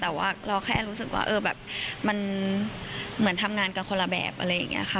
แต่ว่าเราแค่รู้สึกว่าเออแบบมันเหมือนทำงานกันคนละแบบอะไรอย่างนี้ค่ะ